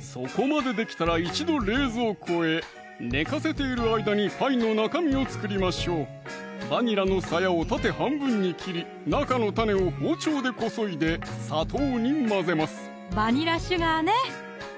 そこまでできたら一度冷蔵庫へ寝かせている間にパイの中身を作りましょうバニラのさやを縦半分に切り中の種を包丁でこそいで砂糖に混ぜますバニラシュガーね